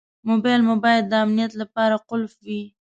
موبایل مو باید د امنیت لپاره قلف وي.